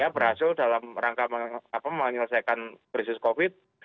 berhasil dalam rangka menyelesaikan krisis covid